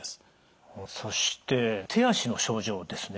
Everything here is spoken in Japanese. そして手足の症状ですね。